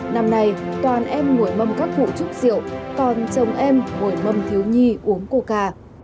năm nay toàn em ngồi mâm các cụ trúc rượu toàn chồng em ngồi mâm thiếu nhi uống coca